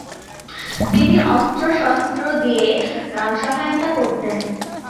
তিনি অস্ত্র-শস্ত্র দিয়ে সহায়তা করতেন।